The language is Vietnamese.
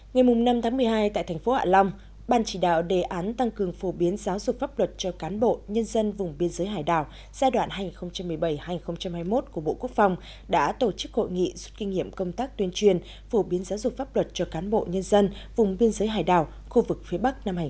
ngày năm tháng một mươi hai tại thành phố hạ long ban chỉ đạo đề án tăng cường phổ biến giáo dục pháp luật cho cán bộ nhân dân vùng biên giới hải đảo giai đoạn hai nghìn một mươi bảy hai nghìn hai mươi một của bộ quốc phòng đã tổ chức hội nghị rút kinh nghiệm công tác tuyên truyền phổ biến giáo dục pháp luật cho cán bộ nhân dân vùng biên giới hải đảo khu vực phía bắc năm hai nghìn một mươi chín